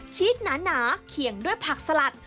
ชีสหนาเคียงด้วยผักสลัด